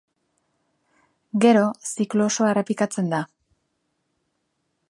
Gero, ziklo osoa errepikatzen da.